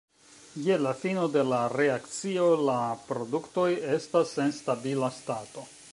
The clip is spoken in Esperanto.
Je la fino de la reakcio la produktoj estas en stabila stato.